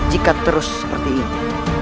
jika terus seperti ini